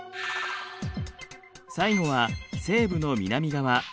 最後は西部の南側。